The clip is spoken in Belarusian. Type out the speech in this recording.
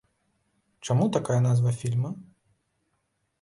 Чаму такая назва фільма?